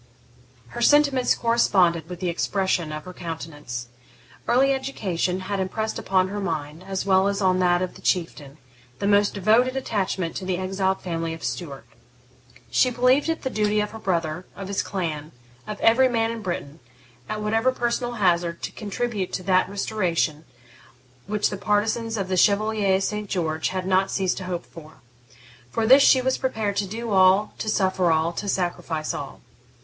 Her sentiments corresponded with the expression of her countenance. Early education had impressed upon her mind, as well as on that of the Chieftain, the most devoted attachment to the exiled family of Stuart. She believed it the duty of her brother, of his clan, of every man in Britain, at whatever personal hazard, to contribute to that restoration which the partisans of the Chevalier St. George had not ceased to hope for. For this she was prepared to do all, to suffer all, to sacrifice all.